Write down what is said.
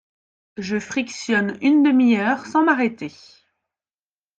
Je frictionne une demi-heure sans m’arrêter…